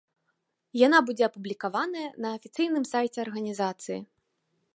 Яна будзе апублікаваная на афіцыйным сайце арганізацыі.